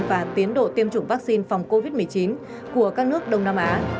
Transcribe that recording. và tiến độ tiêm chủng vaccine phòng covid một mươi chín của các nước đông nam á